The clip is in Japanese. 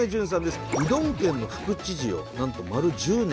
うどん県の副知事をなんと丸１０年。